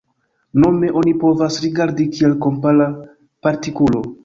Nome oni povas rigardi kiel kompara partikulo.”